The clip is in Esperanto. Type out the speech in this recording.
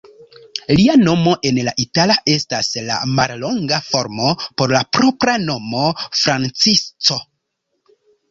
Lia nomo en la itala estas la mallonga formo por la propra nomo Francisco.